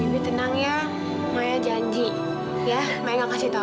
bibi bibi tenang ya maya janji ya mai gak kasih tau